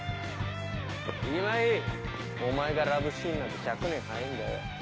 今井お前がラブシーンなんて１００年早えぇんだよ。